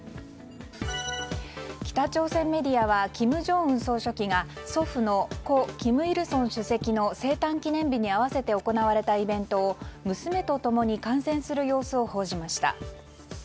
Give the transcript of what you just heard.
北朝鮮メディアは金正恩総書記が祖父の故・金日成主席の生誕記念日に合わせて行われたイベントを娘と共に観戦する様子を報じました。